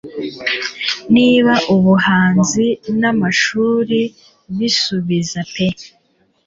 Niba ubuhanzi n'amashuri bisubiza pe